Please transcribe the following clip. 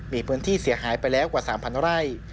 มีพื้นที่เสียหายไปแล้วกว่า๓๐๐ไร่